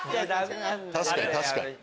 確かに確かに。